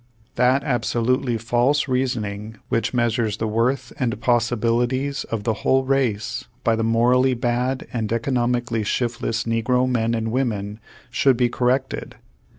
That absolutely false reasoning which measures the worth and possibilities of the whole race by the morally bad and economically shiftless negro men and women should be corrected.